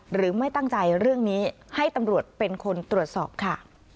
หรือไม่ตั้งใจเรื่องนี้ให้ตำรวจเป็นคนตรวจสอบค่ะ